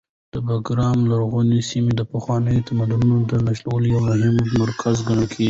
د بګرام لرغونې سیمه د پخوانیو تمدنونو د نښلولو یو مهم مرکز ګڼل کېږي.